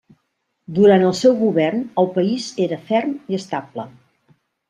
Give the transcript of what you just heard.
Durant el seu govern el país era ferm i estable.